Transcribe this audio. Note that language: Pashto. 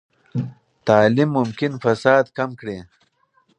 تعلیم ممکن فساد کم کړي.